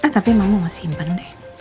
tapi mama simpen deh